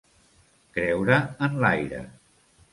Creure en l'aire.